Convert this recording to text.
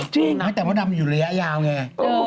จริงนะแต่มดดำอยู่ระยะยาวไง